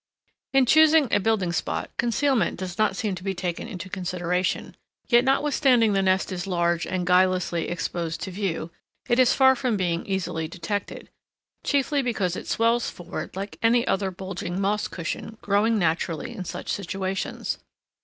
In choosing a building spot, concealment does not seem to be taken into consideration; yet notwithstanding the nest is large and guilelessly exposed to view, it is far from being easily detected, chiefly because it swells forward like any other bulging moss cushion growing naturally in such situations.